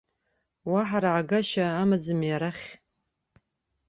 Уаҳа раагашьак амаӡами арахь?